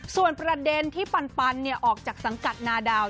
ส่วนประเด็นที่ปันออกจากสังกัดนาดาว